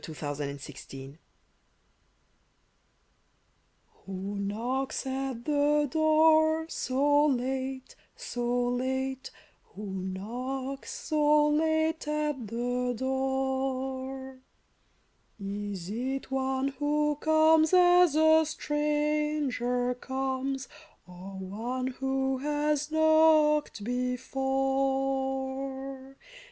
41 THE RETURN^ T T Jno knocks at the door so late, so late — Who knocks so late at the door ? Is it one who comes as a stranger comes, Or one who has knocked before